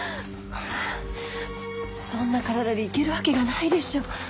そんな体で行けるわけがないでしょう。